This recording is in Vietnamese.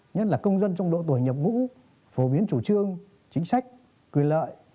nhất là công dân trong độ tuổi nhập ngũ phổ biến chủ trương chính sách quyền lợi